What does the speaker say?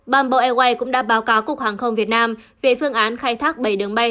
bamboo airways cũng đã báo cáo cục hàng không việt nam về phương án khai thác bảy đường bay